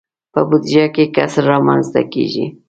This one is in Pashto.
په بودجه کې کسر رامنځته کیږي.